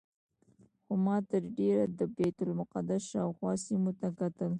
خو ما تر ډېره د بیت المقدس شاوخوا سیمو ته کتل.